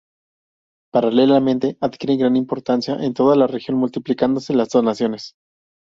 Paralelamente adquiere gran importancia en toda la región multiplicándose las donaciones.